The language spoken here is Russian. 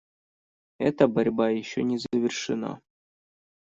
Эта борьба еще не завершена.